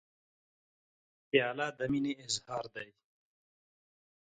پیاله د مینې اظهار دی.